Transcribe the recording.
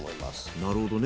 なるほどね。